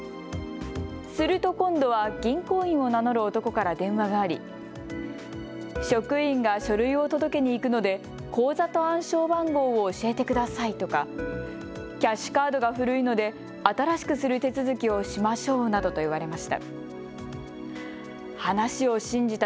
すると今度は銀行員を名乗る男から電話があり、職員が書類を届けに行くので口座と暗証番号を教えてくださいとかキャッシュカードが古いので新しくする手続きをしましょうなどと言われました。